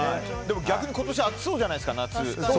逆に今年は夏、暑そうじゃないですか。